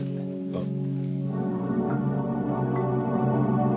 ああ。